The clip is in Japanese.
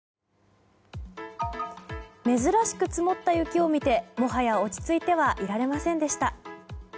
珍しく積もった雪を見てもはや落ち着いてはいられませんでした。